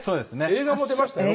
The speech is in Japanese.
映画も出ましたよ